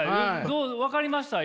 どう分かりました？